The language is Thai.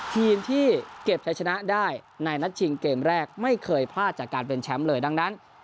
ทีมที่เก็บใช้ชนะได้ในนัดชิงเกมแรกไม่เคยพลาดจากการเป็นแชมป์เลยดังนั้น